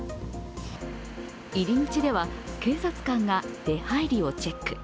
入り口では警察官が出入りをチェック。